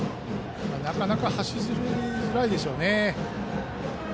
なかなか走りづらいでしょうね。